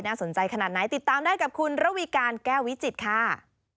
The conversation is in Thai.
สนใจขนาดไหนติดตามได้กับคุณระวีการแก้ววิจิตรค่ะ